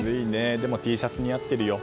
でも、Ｔシャツ似合ってるよ。